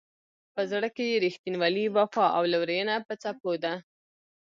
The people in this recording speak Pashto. په زړه کې یې رښتینولي، وفا او لورینه په څپو ده.